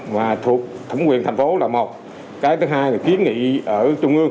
và thuộc thẩm quyền thành phố là một cái thứ hai là kiến nghị ở trung ương